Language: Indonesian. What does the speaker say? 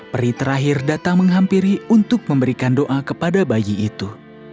peri terakhir datang menghampiri untuk memberikan doa kepada bayi itu